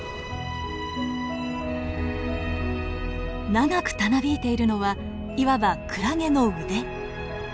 長くたなびいているのはいわばクラゲの腕。